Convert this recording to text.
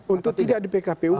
untuk tidak di pkpu